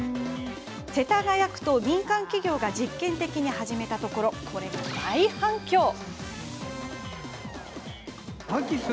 世田谷区と民間企業が実験的に始めたところこれが大反響。